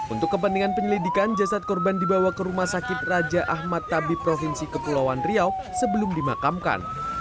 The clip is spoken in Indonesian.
untuk kepentingan penyelidikan jasad korban dibawa ke rumah sakit raja ahmad tabib provinsi kepulauan riau sebelum dimakamkan